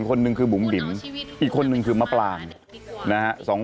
คนหนึ่งคือบุ๋มบิ๋มอีกคนนึงคือมะปรางนะฮะ